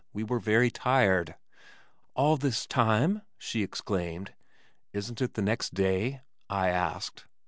We were very tired." "All this time?" she exclaimed. "Isn't it the next day?" I asked.